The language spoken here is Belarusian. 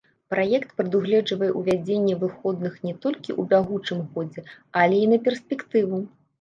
Праект прадугледжвае ўвядзенне выходных не толькі ў бягучым годзе, але і на перспектыву.